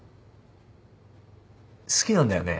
好きなんだよね？